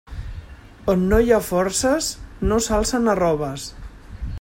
On no hi ha forces no s'alcen arroves.